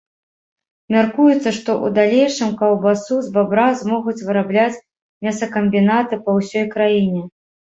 Мяркуецца, што ў далейшым каўбасу з бабра змогуць вырабляць мясакамбінаты па ўсёй краіне.